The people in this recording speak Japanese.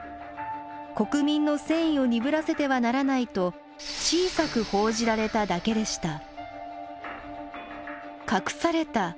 国民の戦意を鈍らせてはならないと小さく報じられただけでした。